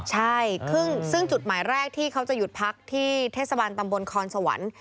ใช่ซึ่งจุดหมายแรกที่เขาจะหยุดพักที่เทศบาลตำบลคอนสวรรค์